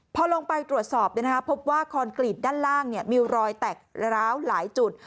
พอลงไปตรวจสอบพบว่าคอนกรีตด้านล่างมีรอยแตกร้าวหลายจุด